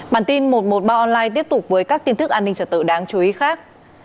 bản tin một trăm một mươi ba online tiếp tục với các tin tức an ninh trật tự đáng chú ý khác